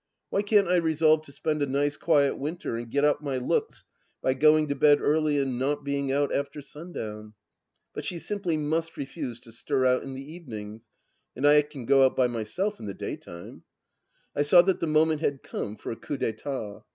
Why can't I resolve to spend a nice quiet winter and get up my looks by going to bed early and not being out after sundown ? But she simply must refuse to stir out in the evenings — ^and I can go out by myself in the daytime. ... I saw that the moment had come for a coup d'itat.